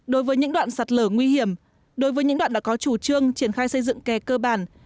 đối với những đoạn sạt lở nguy hiểm đối với những đoạn đã có chủ trương triển khai xây dựng kè cơ bản